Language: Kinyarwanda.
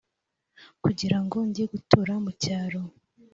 kugira ngo njye gutura mu cyaro